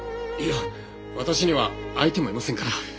いや私には相手もいませんから。